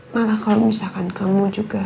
malah kalau misalkan kamu juga